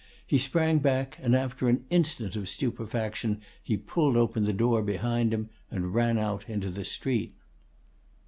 He sprang back, and after an instant of stupefaction he pulled open the door behind him and ran out into the street.